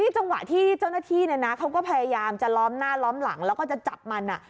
จังหวะที่เจ้าหน้าที่เขาก็พยายามจะล้อมหน้าล้อมหลังแล้วก็จะจับมัน